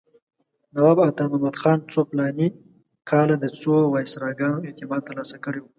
نواب عطامحمد خان څو فلاني کاله د څو وایسراګانو اعتماد ترلاسه کړی و.